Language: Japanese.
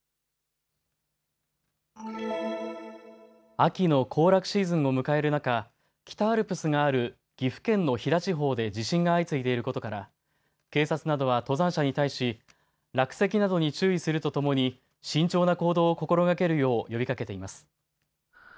秋の行楽シーズンを迎える中、北アルプスがある岐阜県の飛騨地方で地震が相次いでいることから警察などは登山者に対し落石などに注意するとともに慎重な行動を心がけるよう呼びかけています。